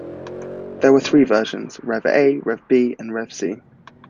There were three versions; RevA, RevB and RevC.